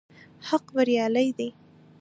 حق بريالی دی